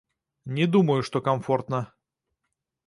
Не думаю, што камфортна.